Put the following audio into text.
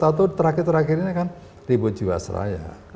tahu tahu terakhir terakhir ini kan ribut jiwasraya